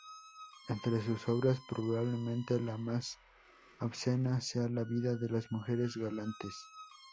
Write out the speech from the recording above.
Entre sus obras, probablemente la más obscena sea la "Vida de las mujeres galantes".